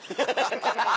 ハハハハ！